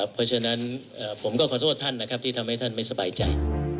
เพราะฉะนั้นผมก็ขอโทษท่านนะครับที่ทำให้ท่านไม่สบายใจ